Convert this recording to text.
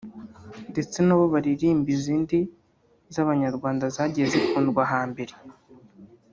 ndetse nabo baririmba izindi z’abanyarwanda zagiye zikundwa hambere